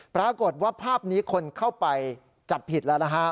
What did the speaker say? ปรากฏว่าภาพนี้คนเข้าไปจับผิดแล้วนะฮะ